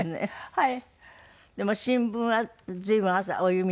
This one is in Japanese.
はい。